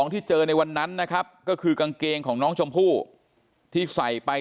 ที่เจอในวันนั้นนะครับก็คือกางเกงของน้องชมพู่ที่ใส่ไป